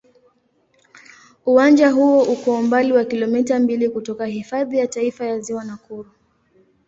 Uwanja huo uko umbali wa kilomita mbili kutoka Hifadhi ya Taifa ya Ziwa Nakuru.